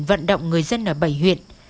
vận động người dân ở bảy huyện